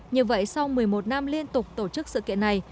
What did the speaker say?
như vậy sau một mươi một năm liên tục tổ chức sự kiện này